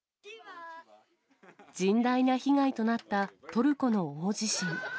甚大な被害となったトルコの大地震。